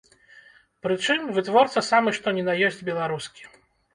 Прычым, вытворца самы што ні на ёсць беларускі.